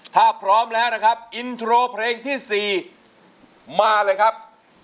ถ้าพร้อมแล้วนะครับอินโทรเพลงที่๔มาเลยครับ